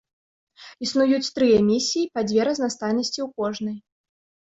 Існуюць тры эмісіі па дзве разнастайнасці ў кожнай.